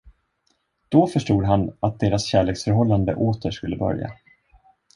Då förstod han, att deras kärleksförhållande åter skulle börja.